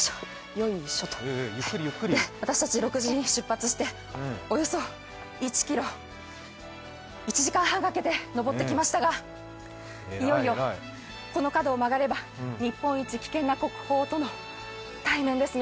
私たち６時に出発して、およそ１ｋｍ、１時間半かけて登ってきましたが、いよいよ、この角を曲がれば日本一危険な国宝との対面です